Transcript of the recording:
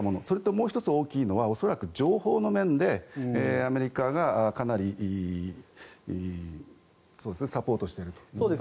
それともう１つ大きいのは恐らく情報の面でアメリカがかなりサポートしていると。